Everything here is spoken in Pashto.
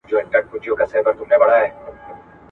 زه هره ورځ د سبا لپاره د نوي لغتونو يادوم!!